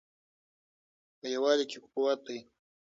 په یووالي کې قوت دی.